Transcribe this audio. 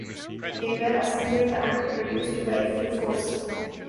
They were assembled and produced by Full Force.